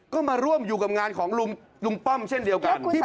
ก็มาร่วมอยู่กับงานของลุงป้อมเช่นเดียวกัน